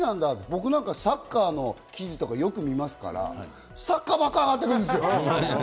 僕はサッカーの記事をよく見ますから、サッカーばっかり上がってくるんですよ。